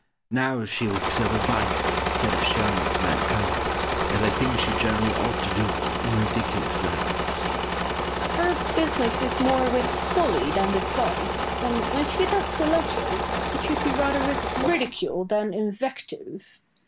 Now she weeps over vice instead of showing it to mankind, as I think she generally ought to do, in ridiculous lights. Boileau. Her business is more with folly than with vice, and when she attacks the latter, it should be rather with ridicule than invective.